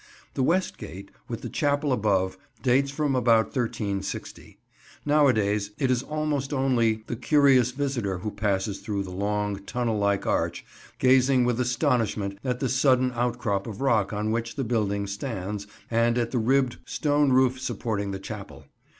The West Gate, with the chapel above, dates from about 1360. Nowadays it is almost only the curious visitor who passes through the long, tunnel like arch, gazing with astonishment at the sudden outcrop of rock on which the building stands, and at the ribbed stone roof supporting the chapel.